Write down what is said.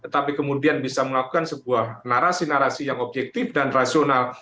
tapi kemudian bisa melakukan sebuah narasi narasi yang objektif dan rasional